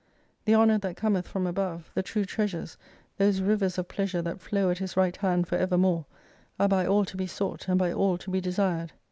The honour that cometh from above, the true treasures, those rivers of pleasure that flow at his right hand for evermore, are by all to be sought and by all to be desired.